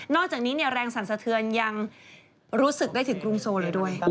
อกจากนี้แรงสั่นสะเทือนยังรู้สึกได้ถึงกรุงโซเลยด้วย